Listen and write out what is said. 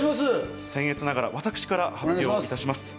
僭越ながら私から発表いたします。